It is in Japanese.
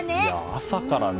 朝からね。